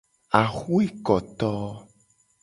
Axwekoto.